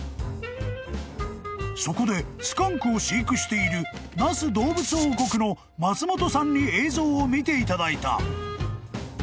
［そこでスカンクを飼育している那須どうぶつ王国の松本さんに映像を見ていただいた］